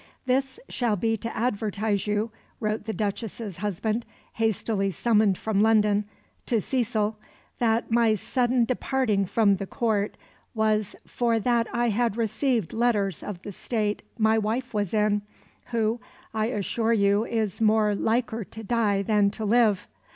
"This shall be to advertise you," wrote the Duchess's husband, hastily summoned from London, to Cecil, "that my sudden departing from the Court was for that I had received letters of the state my wife was in, who I assure you is more liker to die than to live.